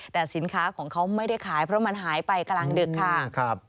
แต่สินค้าของเขาไม่ได้ขายเพราะมันหายไปกลางดึกค่ะ